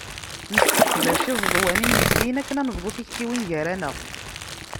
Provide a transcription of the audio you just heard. Nesseqdac iẓeḍwan inmettiyen akken ad nebḍu tiktiwin gar-aneɣ.